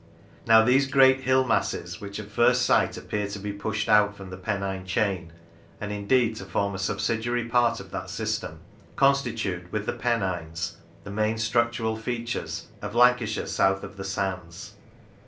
Now these great hill masses, which at first sight appear to be pushed out from the Pennine chain, and indeed to form a subsidiary part of that system, constitute, with the Pennines, the main structural features of Lancashire south of the sands.